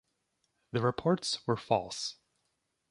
The reports were false.